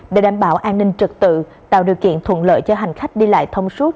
để đảm bảo an ninh trực tự tạo điều kiện thuận lợi cho hành khách đi lại thông suốt